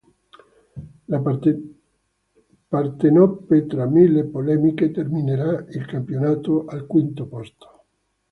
La Partenope, tra mille polemiche, terminerà il campionato al quinto posto.